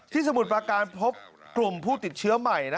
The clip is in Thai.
สมุทรประการพบกลุ่มผู้ติดเชื้อใหม่